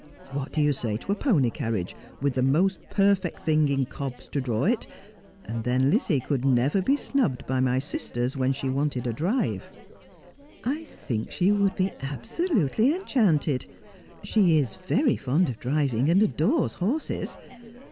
What do you say to a pony carriage, with the most perfect thing in cobs to draw it — and then Lizzie could never be snubbed by my sisters when she wanted a drive '?'' I think she would be absolutely enchanted. She is very fond of driving, and adores horses.